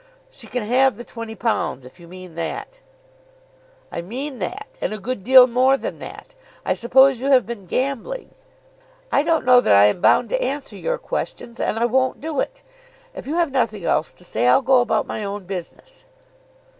"She can have the twenty pounds, if you mean that." "I mean that, and a good deal more than that. I suppose you have been gambling." "I don't know that I am bound to answer your questions, and I won't do it. If you have nothing else to say, I'll go about my own business."